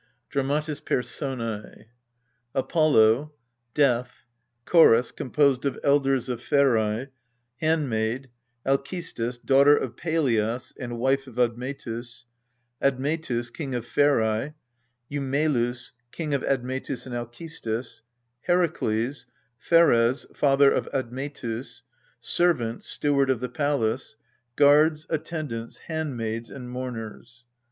DRAMATIS PERSONS APOLLO. DEATH. CHORUS, composed of Elders of Pherse. HANDMAID. ALCESTIS, Daughter of Pelias, and Wife of Admetus. ADMETUS, King of Pherae. EUMELUS, Son of Admetus and Alcestis. HERAKLE& PIIERES, Father of Admetus. SERVANT, Steward of the Palace. Guards, Attendants, Handmaids, and Mourners.